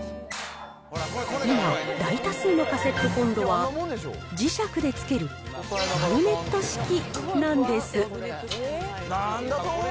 今、大多数のカセットコンロは、磁石でつけるマグネット式なんです。